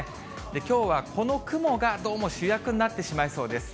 きょうはこの雲が、どうも主役になってしまいそうです。